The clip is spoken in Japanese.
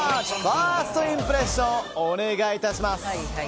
ファーストインプレッションお願い致します。